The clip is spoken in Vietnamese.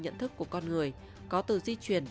nhận thức của con người có từ di chuyển